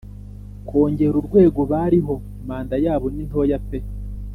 Kongera urwego bariho Manda yabo ni ntoya pe